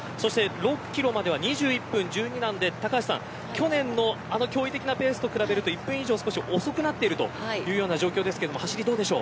６キロまでは２１分１２なので去年の驚異的なペースと比べると１分以上遅くなっているという状況ですが走りはどうでしょう。